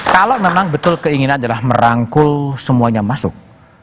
kalau memang betul keinginan adalah merangkul semuanya masuk